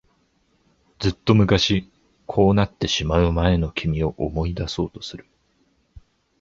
ずっと昔、こうなってしまう前の君を思い出そうとする。